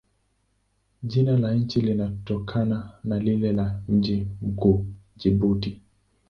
Jina la nchi linatokana na lile la mji mkuu, Jibuti.